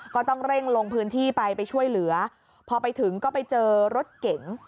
ก็ต้องเร่งลงพื้นที่ไปไปช่วยเหลือพอไปถึงก็ไปเจอรถเก๋ง